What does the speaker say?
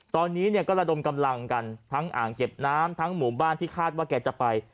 ตอนนี้เนี่ยก็ระดมกำลังกันทั้งอ่างเก็บน้ำทั้งหมู่บ้านที่คาดว่าแกจะไป